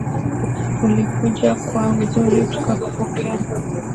Ulikuja kwa uzuri tukakupokea.